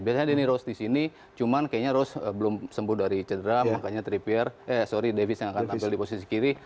biasanya rose disini cuman kayaknya rose belum sembuh dari cedera makanya davis yang akan tampil di posisi kiri